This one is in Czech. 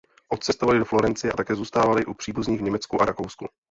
Odcestovali do Florencie a také zůstávali u příbuzných v Německu a Rakousku.